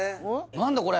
何だこれ？